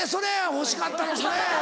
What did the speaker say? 欲しかったのそれ！